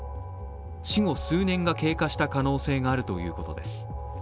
死後数年が経過した可能性があるということです。